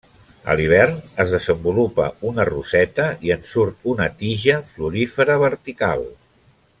A l'hivern es desenvolupa una roseta i en surt una tija florífera vertical.